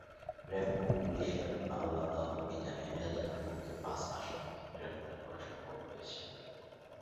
RAB ও পুলিশের আলাদা অভিযানে এজাহারভুক্ত পাঁচ আসামিকে গ্রেপ্তার করা সম্ভব হয়েছে।